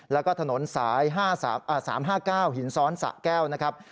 แล้วก็ถนนสาย๓๕๙หินซ้อนสะแก้วนะครับ